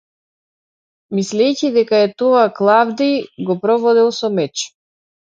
Мислејќи дека е тоа Клавдиј, го прободел со меч.